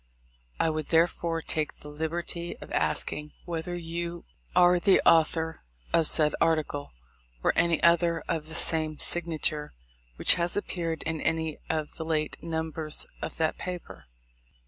I would therefore take the liberty of asking whether you are the author of said article, or any other of the same signature which has appeared in any of the late numbers of that paper.